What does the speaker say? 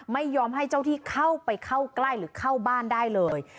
ไม่ยอมให้เจ้าที่เข้าไปเข้าใกล้หรือเข้าบ้านได้เลย